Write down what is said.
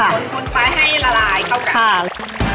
แล้วก็คนค่ะคนไปให้ละลายเข้ากัน